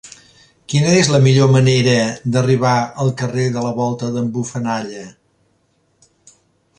Quina és la millor manera d'arribar al carrer de la Volta d'en Bufanalla?